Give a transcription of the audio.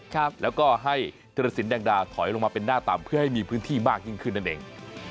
ครับแล้วก็ให้ธิรสินแดงดาถอยลงมาเป็นหน้าต่ำเพื่อให้มีพื้นที่มากยิ่งขึ้นนั่นเอง